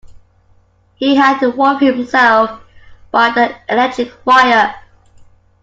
He had to warm himself by the electric fire